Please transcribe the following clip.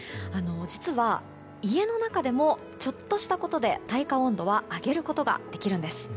実は、家の中でもちょっとしたことで体感温度は上げることができるんです。